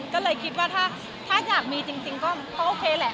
ก็เลยคิดว่าถ้าอยากมีจริงก็โอเคแหละ